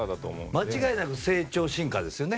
間違いなく成長、進化ですよね